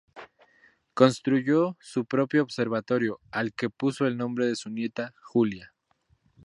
Construyó su propio observatorio al que puso el nombre de su nieta, Julia.